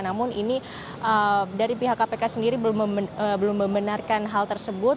namun ini dari pihak kpk sendiri belum membenarkan hal tersebut